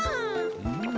うん。